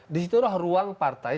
disitulah ruang partai